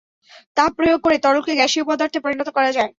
তাপ প্রয়োগ করে তরলকে গ্যাসীয় পদার্থে পরিণত করা যায়।